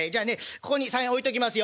ここに３円置いときますよ」。